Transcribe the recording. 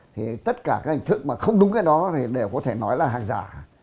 thì tất cả cái hình thức mà không đúng cái đó thì đều có thể nói là hàng giả